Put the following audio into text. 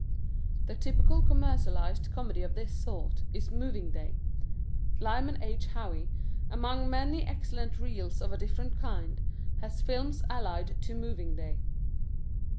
The typical commercialized comedy of this sort is Moving Day. Lyman H. Howe, among many excellent reels of a different kind, has films allied to Moving Day.